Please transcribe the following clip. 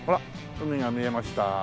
海が見えました。